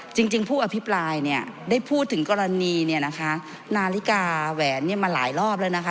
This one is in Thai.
จริงผู้อภิปรายได้พูดถึงกรณีนาฬิกาแหวนมาหลายรอบแล้วนะคะ